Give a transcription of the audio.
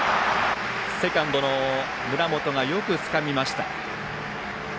セカンドの村本がよくつかみました。